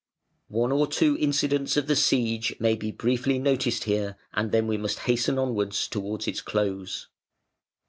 One or two incidents of the siege may be briefly noticed here, and then we must hasten onwards to its close.